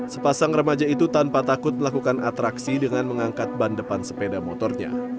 sepasang remaja itu tanpa takut melakukan atraksi dengan mengangkat ban depan sepeda motornya